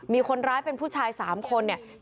มีคนร้ายเป็นผู้ชาย๓คนเนี่ย